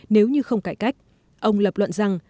nếu như không cải cách ông lập luận rằng